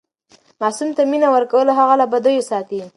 ماسوم ته مینه ورکول هغه له بدیو ساتي.